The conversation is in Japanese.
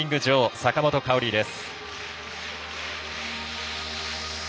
坂本花織です。